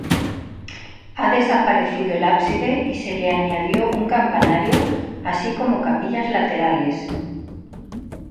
Ha desaparecido el ábside y se le añadió un campanario así como capillas laterales.